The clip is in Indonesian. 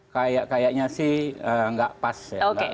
kayaknya sih tidak pas